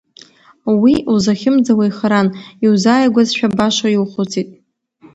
Уи узахьымӡауа ихаран, иузааигәазшәа, баша иухәыцит…